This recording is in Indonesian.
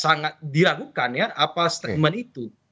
sangat diragukan ya apa statement itu